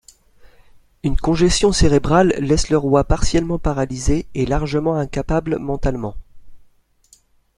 Une congestion cérébrale laisse le roi partiellement paralysé et largement incapable mentalement.